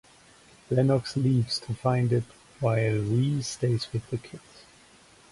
Lennox leaves to find it while Reese stays with the kids.